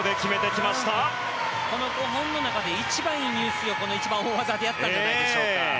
この５本の中で一番いい入水を大技でやったんじゃないでしょうか。